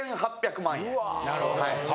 なるほど。